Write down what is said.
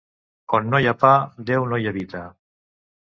On no hi ha pa, Déu no hi habita.